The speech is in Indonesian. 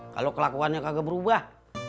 kalau kelakuannya kagak berubah